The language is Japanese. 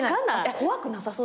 怖くなさそう。